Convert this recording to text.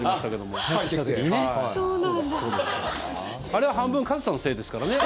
あれは半分カズさんのせいですからね。